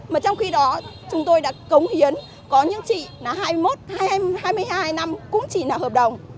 mà trong khi đó chúng tôi đã cống hiến có những chị là hai mươi một hai mươi hai hai năm cũng chỉ là hợp đồng